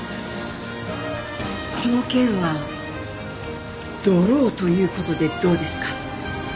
この件はドローということでどうですか？